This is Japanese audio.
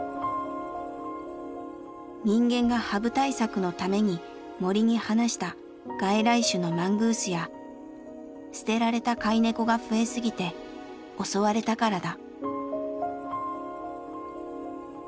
人間がハブ対策のために森に放した外来種のマングースや捨てられた飼い猫が増えすぎて襲われたからだ。